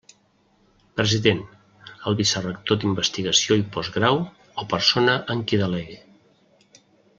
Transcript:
President: el vicerector d'Investigació i Postgrau, o persona en qui delegue.